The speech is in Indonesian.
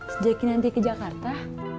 sejakin nanti ke jakarta